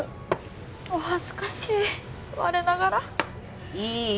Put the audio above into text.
お恥ずかしい我ながらっいい？